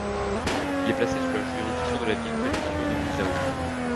Il est placé sous la juridiction de la ville-préfecture de Rizhao.